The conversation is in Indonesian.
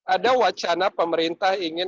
ada wacana pemerintah ingin